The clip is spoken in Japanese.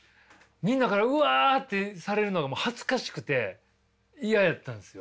みんなからウワッてされるのがもう恥ずかしくて嫌やったんですよ。